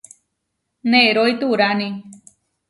Nerói turáni.